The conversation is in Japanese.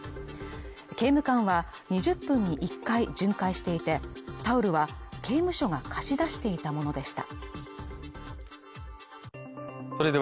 刑務官は２０分に１回巡回していてタオルは刑務所が貸し出していたものでした